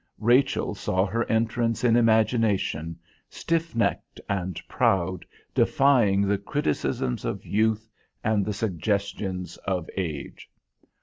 Rachel saw her entrance in imagination, stiff necked and proud, defying the criticisms of youth and the suggestions of age.